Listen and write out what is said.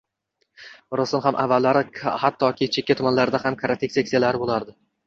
Rostdan ham avallari hattoki chekka tumanlarda ham karate seksiyalari boʻlar edi.